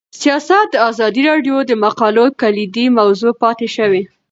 سیاست د ازادي راډیو د مقالو کلیدي موضوع پاتې شوی.